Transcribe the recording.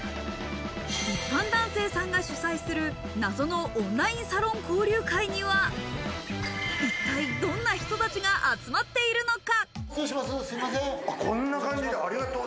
一般男性さんが主催する謎のオンラインサロン交流会には、一体、どんな人たちが集まっているのか？